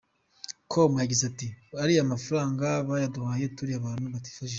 com yagize ati :’’Ariya mafaranga bayaduhaye turi abantu batifashije.